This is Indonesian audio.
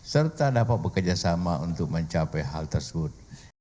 serta dapat bekerjasama untuk mencapai hal tersebut